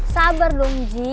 sabar dong ji